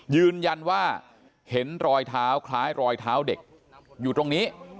ยืนยันว่าเห็นรอยเท้าคล้ายรอยเท้าเด็กอยู่ตรงนี้